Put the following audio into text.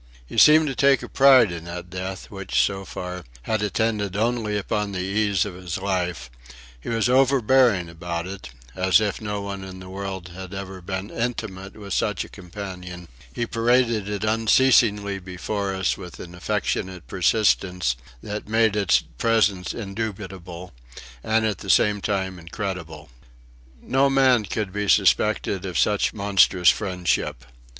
He seemed to take a pride in that death which, so far, had attended only upon the ease of his life; he was overbearing about it, as if no one else in the world had ever been intimate with such a companion; he paraded it unceasingly before us with an affectionate persistence that made its presence indubitable, and at the same time incredible. No man could be suspected of such monstrous friendship!